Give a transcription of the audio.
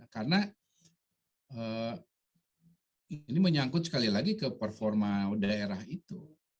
karena ini menyangkut sekali lagi ke performa daerah itu